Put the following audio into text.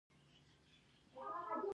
دا کتاب روح ته حرکت ورکوي.